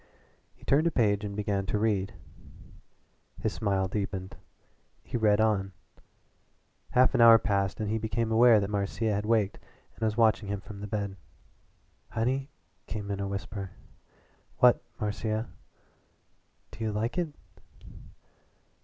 He turned a page and began to read. His smile deepened he read on. Half an hour passed and he became aware that Marcia had waked and was watching him from the bed. "Honey," came in a whisper. "What Marcia?" "Do you like it?"